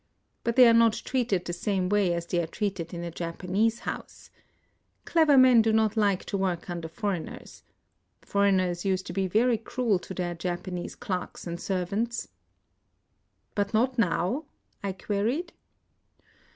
But they are not treated the same way as they are treated in a Japanese house. Clever men do not like to work under foreigners. Foreigners used to be very cruel to their Japanese clerks and servants." " But not now ?" I queried.